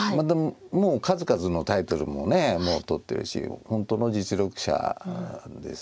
もう数々のタイトルも取ってるし本当の実力者ですよね。